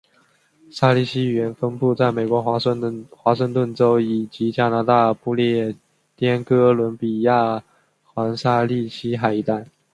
萨利希语言分布在美国华盛顿州以及加拿大不列颠哥伦比亚环萨利希海一带。